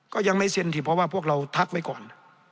ก็ยังไม่เซ็นสิเพราะว่าพวกเราทักไว้ก่อน